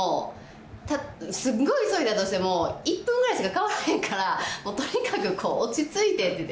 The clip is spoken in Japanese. すごく急いだとしても１分ぐらいしか変わらへんからもうとにかくこう落ち着いてって言うて。